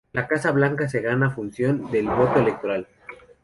La Casa Blanca se gana en función del "voto electoral".